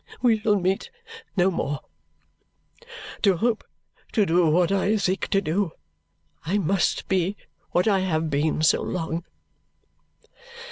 We shall meet no more. To hope to do what I seek to do, I must be what I have been so long.